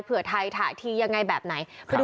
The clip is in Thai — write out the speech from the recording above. เผื่อไทยถาทียังไงแบบไหน